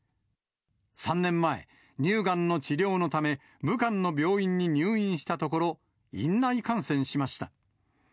３年前、乳がんの治療のため、武漢の病院に入院したところ、院内感染しました。